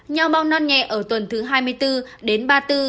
nho bong non nhẹ ở tuần thứ hai mươi bốn đến ba mươi bốn